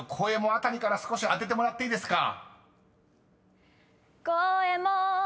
」あたりから少し当ててもらっていいですか］